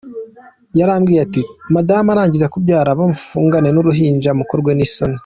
Yarambwiye ati : “Madame ararangiza kubyara bamufungane n’ uruhinja mukorwe n’ isoni”.